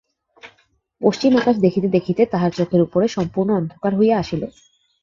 পশ্চিম আকাশ দেখিতে দেখিতে তাহার চোখের উপরে সম্পূর্ণ অন্ধকার হইয়া আসিল।